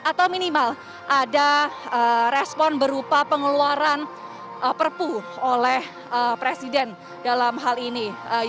atau minimal ada respon berupa pengeluaran perpu oleh presiden dalam hal ini